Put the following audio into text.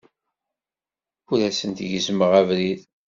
Ur asent-gezzmeɣ abrid.